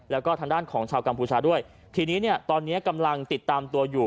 แล้วก็ทางด้านของชาวกัมพูชาด้วยทีนี้เนี่ยตอนเนี้ยกำลังติดตามตัวอยู่